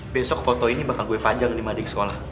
besok foto ini bakal gue panjang nih sama adik sekolah